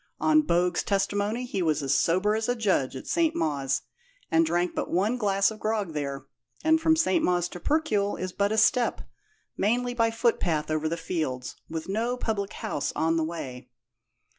On Bogue's testimony he was as sober as a judge at St. Mawes, and drank but one glass of grog there, and from St. Mawes to Percuil is but a step, mainly by footpath over the fields, with no public house on the way."